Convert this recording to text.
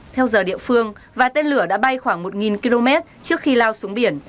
theo giờ địa phương và tên lửa đã bay khoảng một km trước khi lao xuống biển